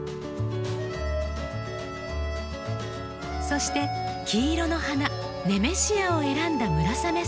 そして黄色の花ネメシアを選んだ村雨さん。